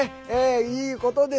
いいことです。